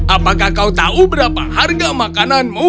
apakah kau tahu berapa harga makananmu